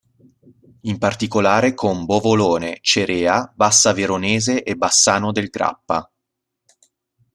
In particolare con Bovolone, Cerea, Bassa Veronese e Bassano del Grappa.